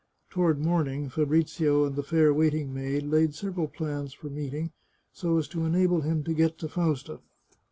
Toward morning, Fabrizio and the fair waiting maid laid several plans for meeting, so as to enable him to get to Fausta.